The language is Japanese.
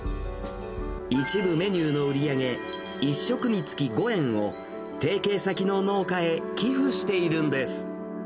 一部メニューの売り上げ、１食につき５円を提携先の農家へ寄付しているんです。